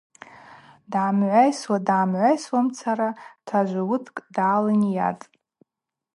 Дгӏамгӏвайсуа-дгӏамгӏвайсуамцара тажв-уыдкӏ дгӏалынйатӏ.